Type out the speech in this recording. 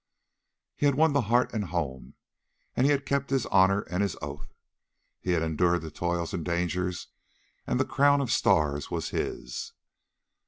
He had won the heart and home, and he had kept his honour and his oath. He had endured the toils and dangers and the crown of stars was his.